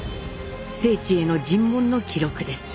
正知への尋問の記録です。